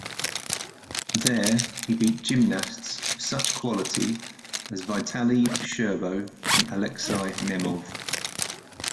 There, he beat gymnasts of such quality as Vitaly Scherbo and Alexei Nemov.